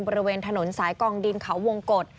บริเวณถนนสายกองดินเขาวงกฎ